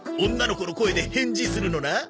女の子の声で返事するのな。